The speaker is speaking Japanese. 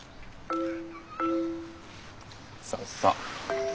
そうそう。